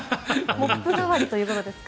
モップ代わりということですか。